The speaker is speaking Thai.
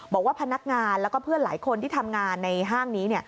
บอกว่าพนักงานแล้วก็เพื่อนหลายคนที่ทำงานในห้างนี้